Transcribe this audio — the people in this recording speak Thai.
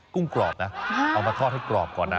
กุ้งกรอบนะเอามาทอดให้กรอบก่อนนะ